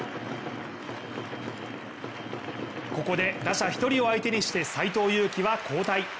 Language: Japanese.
ここで打者１人を相手にして斎藤佑樹は交代。